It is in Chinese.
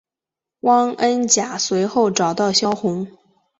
汪恩甲随后找到萧红。